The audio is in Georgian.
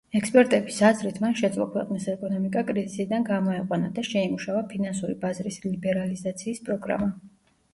ექსპერტების აზრით, მან შეძლო ქვეყნის ეკონომიკა კრიზისიდან გამოეყვანა და შეიმუშავა ფინანსური ბაზრის ლიბერალიზაციის პროგრამა.